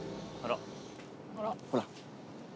ほら。